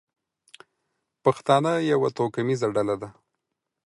پښتانه یوه توکمیزه ډله ده.